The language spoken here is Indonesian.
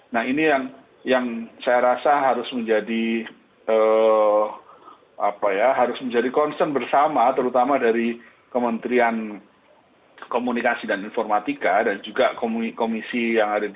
nah ini yang saya rasa harus menjadi concern bersama terutama dari kementerian komunikasi dan informatika dan juga komisi yang ada di